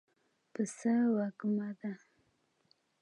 پسه وږمه ده.